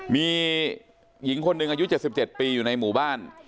มีหญิงคนหนึ่งอายุ๗๗ปีอยู่ในหมู่บ้าน